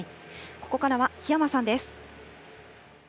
ここからは檜山さんです。